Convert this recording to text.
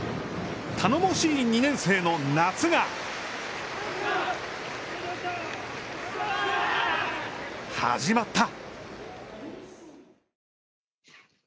頼もしい２年生の夏が始まった！